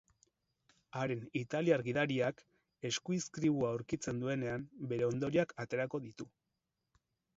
Haren italiar gidariak eskuizkribua aurkitzen duenean, bere ondorioak aterako ditu.